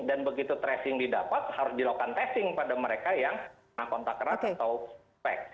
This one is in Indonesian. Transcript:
begitu tracing didapat harus dilakukan testing pada mereka yang kontak erat atau spek